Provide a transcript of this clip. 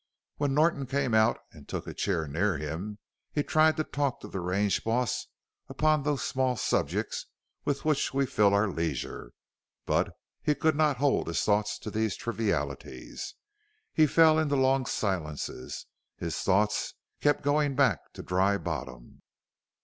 When Norton came out and took a chair near him he tried to talk to the range boss upon those small subjects with which we fill our leisure, but he could not hold his thoughts to these trivialities. He fell into long silences; his thoughts kept going back to Dry Bottom.